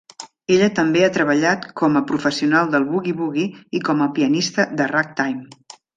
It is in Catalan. Ella també ha treballat com a professional del bugui-bugui i com a pianista de ragtime.